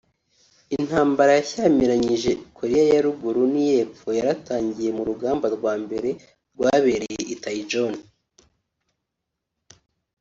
Intambara yashyamiranyije Koreya ya ruguru n’iy’epfo yaratangiye mu rugamba rwa mbere rwabereye I Taejon